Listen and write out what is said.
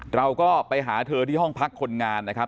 เราก็ไปหาเธอที่ห้องพักคนงานนะครับ